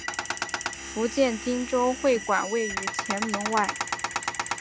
福建汀州会馆位于前门外。